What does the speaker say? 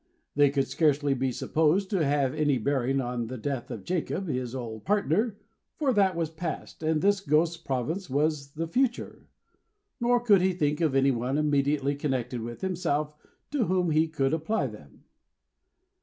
They could scarcely be supposed to have any bearing on the death of Jacob, his old partner, for that was past, and this Ghost's province was the future. Nor could he think of any one immediately connected with himself, to whom he could apply them.